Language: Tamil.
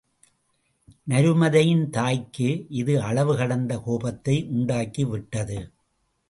நருமதையின் தாய்க்கு இது அளவு கடந்த கோபத்தை உண்டாக்கிவிட்டது.